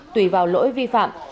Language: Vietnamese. tùy vào lỗi vi phạm